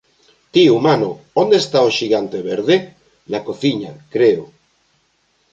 Ti, humano! Onde está o xigante verde? Na cociña. Creo.